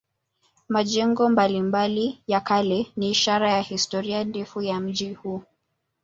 Majengo mbalimbali ya kale ni ishara ya historia ndefu ya mji huu.